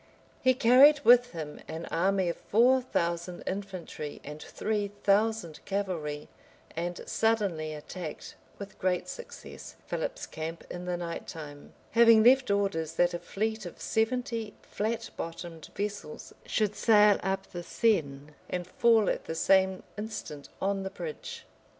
He carried with him an army of four thousand infantry and three thousand cavalry, and suddenly attacked, with great success, Philip's camp in the night time; having left orders that a fleet of seventy flat bottomed vessels should sail up the Seine, and fall at the same instant on the bridge.